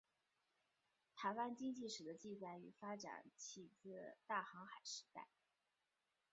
台湾经济史的记载与发展起自大航海时代。